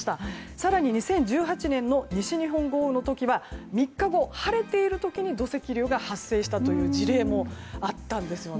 更に２０１８年の西日本豪雨の時は３日後、晴れている時に土石流が発生したという事例もあったんですよね。